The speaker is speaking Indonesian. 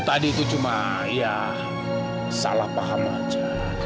tadi itu cuma ya salah paham aja